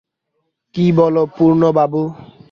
কী বল পূর্ণবাবু!